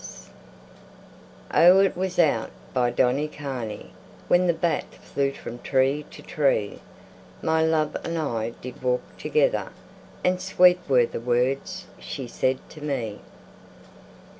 XXXI O, it was out by Donnycarney When the bat flew from tree to tree My love and I did walk together; And sweet were the words she said to me.